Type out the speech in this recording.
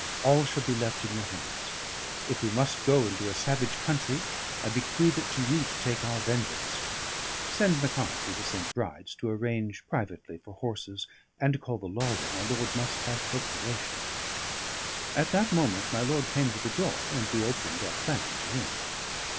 All shall be left in your hands. If we must go into a savage country, I bequeath it to you to take our vengeance. Send Macconochie to St. Bride's to arrange privately for horses and to call the lawyer. My lord must leave procuration." At that moment my lord came to the door, and we opened our plan to him.